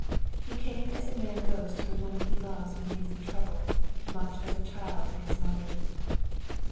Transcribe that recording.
He came as a man goes to the woman he loves when he is in trouble, much as a child to his mother.